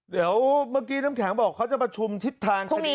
เดี๋ยวเมื่อกี้น้ำแข็งบอกเขาจะประชุมทิศทางคดี